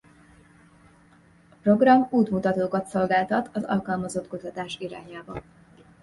A program útmutatókat szolgáltat az alkalmazott kutatás irányába.